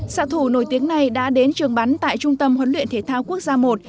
xã thủ nổi tiếng này đã đến trường bắn tại trung tâm huấn luyện thể thao quốc gia i